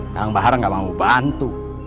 kang bahar nggak mau bantu